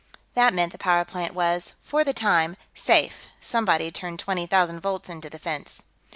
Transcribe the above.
That meant the power plant was, for the time, safe; somebody'd turned twenty thousand volts into the fence.